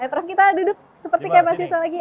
ayo prof kita duduk seperti kemasin selagi